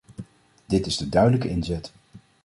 Dit is de duidelijke inzet.